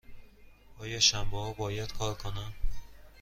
آیا شنبه ها باید کار کنم؟